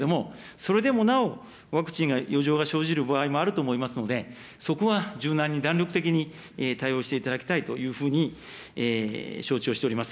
、それでもなおワクチンが余剰が生じる場合もあると思いますので、そこは柔軟に、弾力的に対応していただきたいというふうに承知をしております。